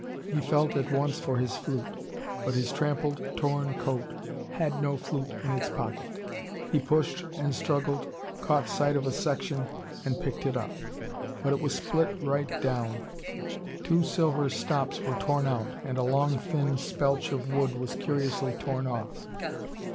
He felt at once for his flute. But his trampled, torn coat had no flute in its pocket. He pushed and struggled, caught sight of a section, and picked it up. But it was split right down, two silver stops were torn out, and a long thin spelch of wood was curiously torn off.